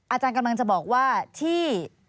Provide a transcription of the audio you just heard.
อาจารย์กำลังจะบอกว่าที่